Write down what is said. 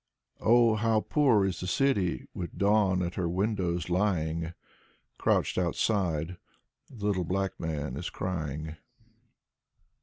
Oh, how poor is the city with dawn at her windows lying ! Crouching outside, the little black man is crying.